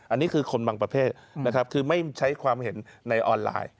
อันนี้คือคนบางประเภทนะครับคือไม่ใช้ความเห็นในออนไลน์